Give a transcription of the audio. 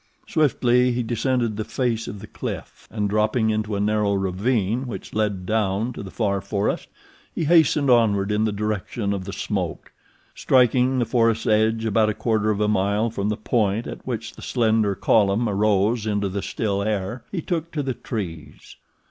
Swiftly he descended the face of the cliff, and, dropping into a narrow ravine which led down to the far forest, he hastened onward in the direction of the smoke. Striking the forest's edge about a quarter of a mile from the point at which the slender column arose into the still air, he took to the trees.